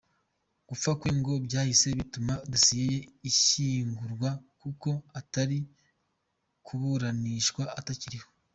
Gupfa kwe ngo byahise bituma dossier ye ishyingurwa kuko atari kuburanishwa atakiriho.